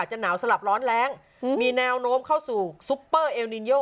จะหนาวสลับร้อนแรงมีแนวโน้มเข้าสู่ซุปเปอร์เอลนินโย